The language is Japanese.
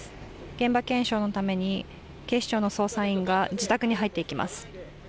現場検証のために警視庁の捜査員が自宅に入っていきます。